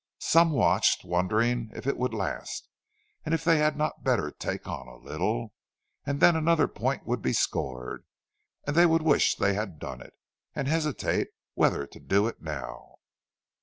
Some watched, wondering if it would last, and if they had not better take on a little; then another point would be scored, and they would wish they had done it, and hesitate whether to do it now.